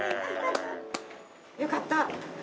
よかった。